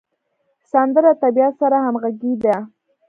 سندره د طبیعت سره همغږې ده